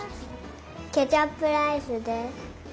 ケチャップライスです。